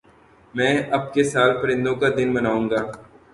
میں اب کے سال پرندوں کا دن مناؤں گا